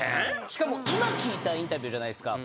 しかも今聞いたインタビューじゃないっすか。